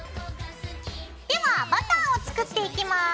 ではバターを作っていきます。